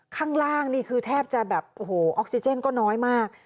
ข้างล่างนี่คือแทบจะแบบโอ้โหออกซิเจนก็น้อยมาก